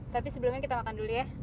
tapi sebelumnya kita makan dulu ya